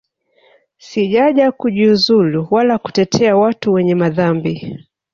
Sijaja kujiuzulu wala kutetea watu wenye madhambi